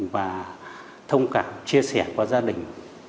và thông cảm chia sẻ qua gia đình